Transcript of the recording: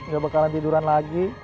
gak bakalan tiduran lagi